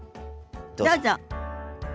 どうぞ。